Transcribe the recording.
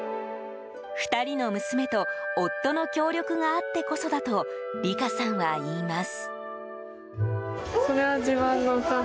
２人の娘と、夫の協力があってこそだと理佳さんは言います。